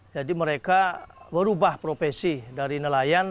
jadi mereka berubah profesi dari nelayan